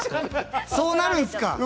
そうなるんすか。